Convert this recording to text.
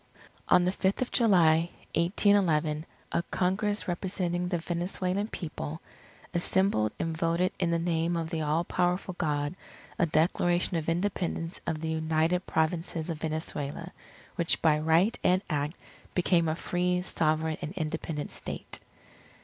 On the Fifth of July, 1811, a Congress representing the Venezuelan People, assembled and voted in the name "of the all powerful God" a Declaration of Independence of the United Provinces of Venezuela, which by right and act became a free, sovereign, and independent State.